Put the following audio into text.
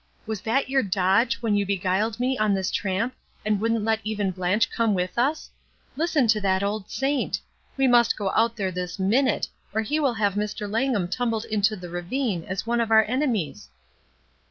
*'Was that your 'dodge' when you beguiled me on this tramp and wouldn't let even Blanche come with us? Listen to that old saint! We must go out there this minute, or he will have Mr. Lang 188 ESTER RIED'S NAMESAKE ham tumbled into the ravine as one of our enemies."